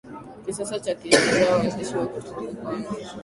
kisasa ya kihistoria Waandishi wa Kituruki kwanza